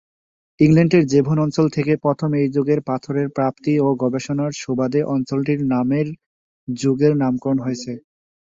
ইংল্যান্ডের ডেভন অঞ্চল থেকে প্রথম এই যুগের পাথরের প্রাপ্তি ও গবেষণার সুবাদে অঞ্চলটির নামে যুগের নামকরণ হয়েছে।